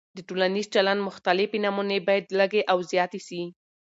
د ټولنیز چلند مختلفې نمونې باید لږې او زیاتې سي.